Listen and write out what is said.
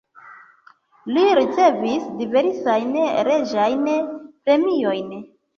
Li ricevis diversajn reĝajn premiojn.